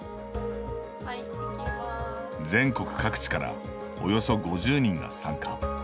全国各地からおよそ５０人が参加。